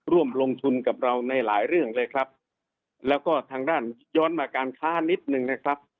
ร่วมลงทุนกับเราในหลายเรื่องเลยครับแล้วก็ทางด้านย้อนมาการค้านิดนึงนะครับ